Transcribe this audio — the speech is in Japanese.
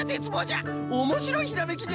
おもしろいひらめきじゃね！